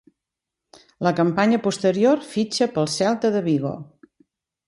La campanya posterior fitxa pel Celta de Vigo.